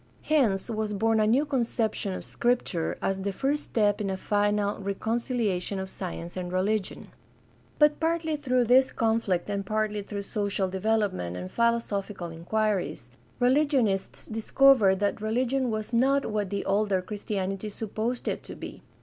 Hence was born a new conception of Scrip ture as the first step in a final reconciliation of science and religion. THE DEVELOPMENT OF MODERN CHRISTIANITY 449 But, partly through this conflict and partly through social development and philosophical inquiries, religionists dis covered that religion was not what the older Christianity supposed it to be.